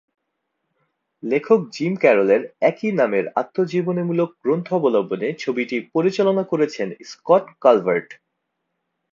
লেখক জিম ক্যারলের একই নামের আত্মজীবনীমূলক গ্রন্থ অবলম্বনে ছবিটি পরিচালনা করেছেন স্কট কালভার্ট।